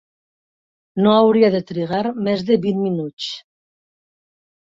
No hauria de trigar més de vint minuts.